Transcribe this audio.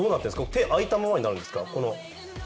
手、開いたままになるんですか？